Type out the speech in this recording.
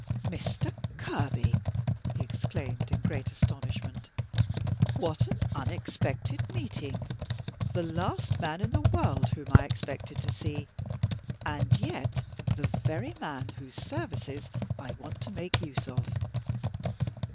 "Mr. Kerby!" he exclaimed, in great astonishment. "What an unexpected meeting! the last man in the world whom I expected to see, and yet the very man whose services I want to make use of!"